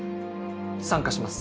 参加します。